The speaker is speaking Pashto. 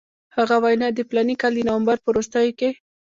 هغه وینا د فلاني کال د نومبر په وروستیو کې.